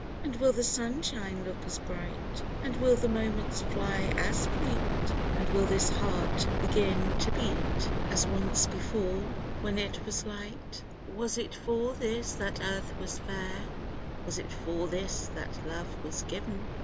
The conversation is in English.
And will the sunshine look as bright, And will the moments fly as fleet. And will this heart begin to beat As once before, when it was light ? In the Wood. 23 Was it for this that Earth was fair ? Was it for this that Love was given